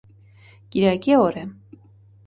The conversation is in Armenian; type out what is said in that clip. Կիրակի օր է.